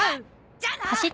じゃあな！